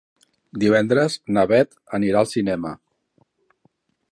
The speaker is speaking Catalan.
Divendres na Bet anirà al cinema.